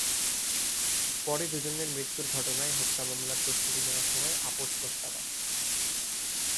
পরে দুজনের মৃত্যুর ঘটনায় হত্যা মামলার প্রস্তুতি নেওয়ার সময় আপস প্রস্তাব আসে।